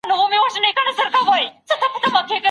آیا دا ممکنه ده چې خاوند يوې ميرمني ته ور ډير وي؟